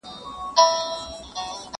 • ځوانان د ازادۍ غږ اخبار ته ګوري حيران,